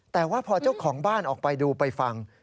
แต่ว่าพอเจ้าของบ้านออกไปดูไปฟัง